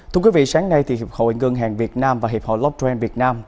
thưa quý vị sáng nay thì hiệp hội ngân hàng việt nam và hiệp hội lockdown việt nam